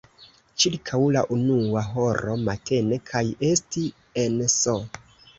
ĉirkaŭ la unua horo matene kaj esti en S.